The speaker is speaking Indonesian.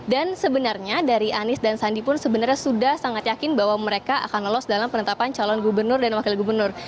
sebenarnya dari anies dan sandi pun sebenarnya sudah sangat yakin bahwa mereka akan lolos dalam penetapan calon gubernur dan wakil gubernur